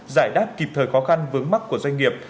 giải đáp kịp thời khó khăn vướng mắt của doanh nghiệp